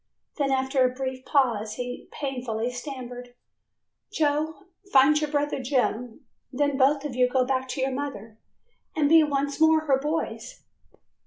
Then after a brief pause he painfully stammered, "Joe, find your brother Jim, then both of you go back to your mother and be once more her boys."